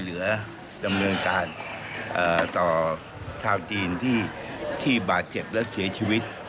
เป็นการดำเนินการที่จะช่วยเหลือผู้ที่ได้รับบาดเจ็บและเสียชีวิต